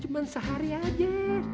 cuman sehari aja